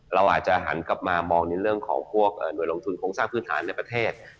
เราอาจจะหันกลับมามองในเรื่องของพวกหน่วยลงทุนโครงสร้างพื้นฐานในประเทศ